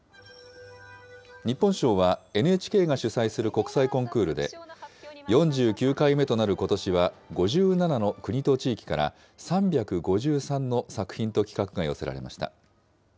日本賞はＮＨＫが主催する国際コンクールで、４９回目となることしは、５７の国と地域から、３５３の作品と企画が寄せられました。